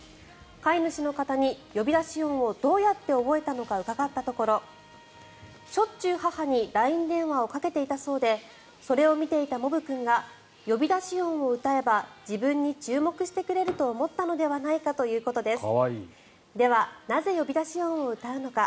飼い主の方に呼び出し音をどうやって覚えたのか伺ったところしょっちゅう母にＬＩＮＥ電話をかけていたそうでそれを見ていたモブ君が呼び出し音を歌えば自分に注目してくれると思ったのではないかということです。